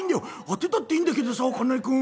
当てたっていいんだけどさ金井君